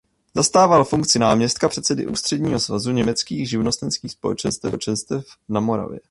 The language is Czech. Zastával funkci náměstka předsedy Ústředního svazu německých živnostenských společenstev na Moravě.